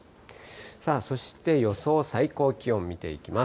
さあ、そして予想最高気温、見ていきます。